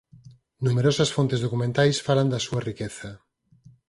Numerosas fontes documentais falan da súa riqueza.